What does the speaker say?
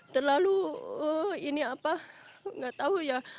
terlalu ini apa nggak tahu ya